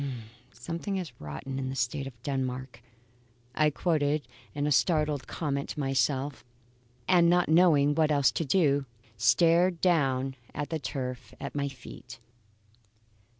"'Something is rotten in the State of Denmark,'" I quoted in startled comment to myself; and not knowing what else to do, stared down at the turf at my feet.